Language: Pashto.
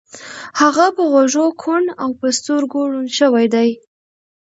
هغه په غوږو کوڼ او په سترګو ړوند شوی دی